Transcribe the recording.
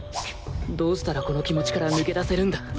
どうしたらこの気持ちから抜け出せるんだ？